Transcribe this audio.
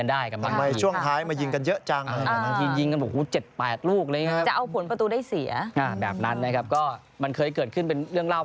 อ่ามันมีผลตอประหลาดคณะ